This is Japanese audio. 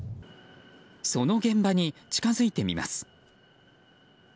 その現場に近づいてみます。